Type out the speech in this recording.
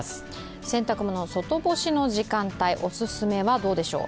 洗濯物、外干しの時間帯、お勧めはどうでしょう？